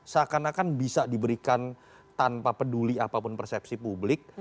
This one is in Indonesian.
seakan akan bisa diberikan tanpa peduli apapun persepsi publik